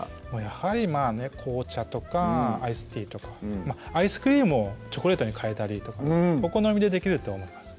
やはりまぁね紅茶とかアイスティーとかアイスクリームをチョコレートに替えたりとかお好みでできると思います